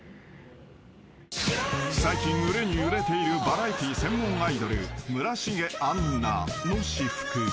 ［最近売れに売れているバラエティー専門アイドル村重杏奈の私服］